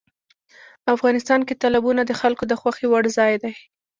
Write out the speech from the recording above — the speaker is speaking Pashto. افغانستان کې تالابونه د خلکو د خوښې وړ ځای دی.